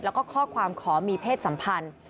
แล้วก็ข้อความขอมีเพศสัมพันธ์